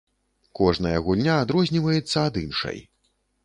Кожная гульня адрозніваецца ад іншай.